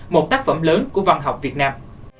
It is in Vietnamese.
một tác phẩm lớn của văn học việt nam